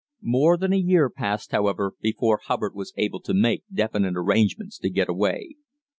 More than a year passed, however, before Hubbard was able to make definite arrangements to get away.